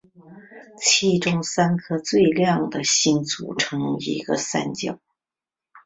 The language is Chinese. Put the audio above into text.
其中三颗最亮的星组成一个三角。